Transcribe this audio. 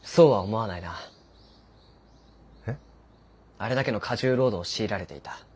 あれだけの過重労働を強いられていた。